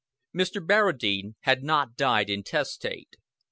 X Mr. Barradine had not died intestate.